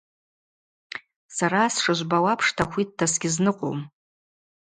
Сара, сшыжвбауа апшта, хвитта сгьызныкъвум.